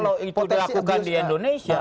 kalau itu dilakukan di indonesia